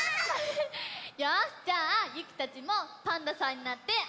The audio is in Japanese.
よしじゃあゆきたちもパンダさんになってあそんじゃおう！